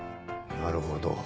なるほど。